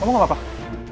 kamu enggak apa apa